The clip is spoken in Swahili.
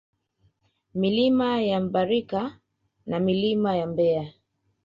Milima ya Mbarika na Milima ya Mbeya